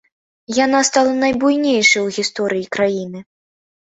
Яна стала найбуйнейшай у гісторыі краіны.